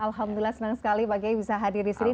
alhamdulillah senang sekali pak kiai bisa hadir di sini